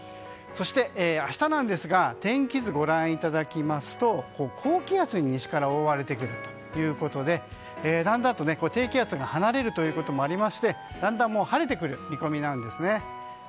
そして明日なんですが天気図をご覧いただきますと高気圧に西から覆われてくるということで低気圧が離れることもありましてだんだん晴れてくる見込みなんですね。